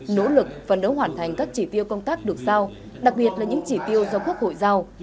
nỗ lực phấn đấu hoàn thành các chỉ tiêu công tác được sao đặc biệt là những chỉ tiêu do quốc hội giao